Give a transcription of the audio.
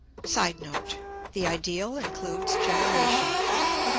[Sidenote: The ideal includes generation.